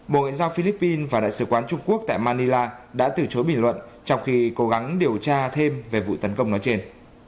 bộ ngoại giao philippines và đại sứ quán trung quốc tại manila đã từ chối bình luận trong khi cố gắng điều tra thêm về vụ tấn công nói trên